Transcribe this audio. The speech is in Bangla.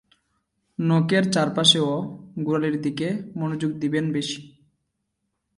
নখের চারপাশে ও গোড়ালির দিকে মনোযোগ দেবেন বেশি।